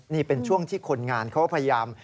นี่เป็นช่วงที่คนงานเขาพยายาม